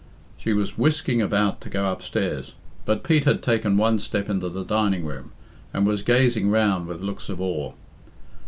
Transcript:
She was whisking about to go upstairs, but Pete had taken one step into the dining room, and was gazing round with looks of awe.